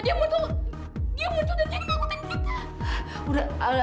dia muncul dia muncul dan dia ngakutin kita